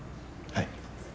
はい。